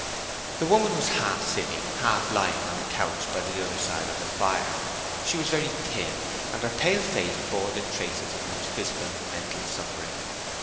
The woman was half sitting, half lying, on a couch by the other side of the fire. She was very thin, and her pale face bore the traces of much physical and mental suffering.